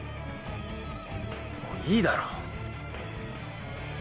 もういいだろ。